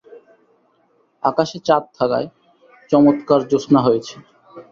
আকাশে চাঁদ থাকায় চমৎকার জ্যোৎস্না হয়েছে।